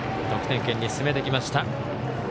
得点圏に進めてきました。